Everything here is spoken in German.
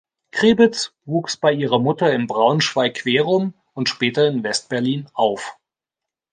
Krebitz wuchs bei ihrer Mutter in Braunschweig-Querum und später in West-Berlin auf.